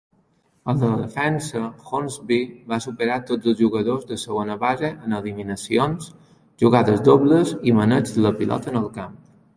A la defensa, Hornsby va superar tots els jugadors de segona base en eliminacions, jugades dobles i maneig de la pilota en el camp.